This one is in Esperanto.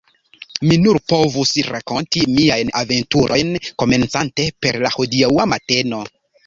Mi nur povus rakonti miajn aventurojn komencante per la hodiaŭa mateno,.